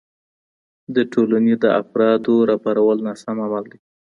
د ټولني د افرادو راپارول ناسم عمل دی.